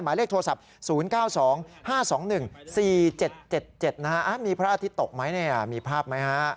หมายเลขโทรศัพท์๐๙๒๕๒๑๔๗๗นะฮะมีพระอาทิตย์ตกไหมมีภาพไหมฮะ